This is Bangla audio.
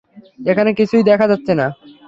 এখানে কিছুই দেখা যাচ্ছে না।